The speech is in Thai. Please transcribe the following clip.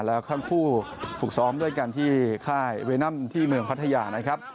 แล้วทั้งคู่ฝึกซ้อมด้วยกันที่ค่ายเวนัมที่เมืองพัทยานะครับ